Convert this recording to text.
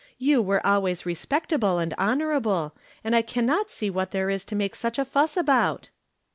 You were always respectable and honorable, and I can't see what there is to make such a fuss about."